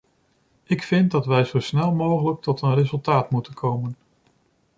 Ik vind dat we zo snel mogelijk tot een resultaat moeten komen.